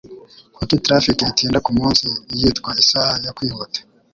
Kuki traffic itinda kumunsi yitwa 'isaha yo kwihuta'?